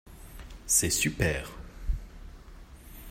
C’est super.